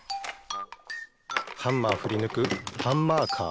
ハンマーふりぬくハンマーカー。